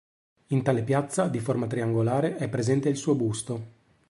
In tale piazza, di forma triangolare, è presente il suo busto.